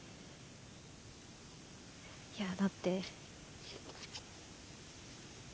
いやだって。